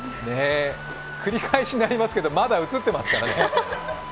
繰り返しになりますけど、まだ映ってますからね。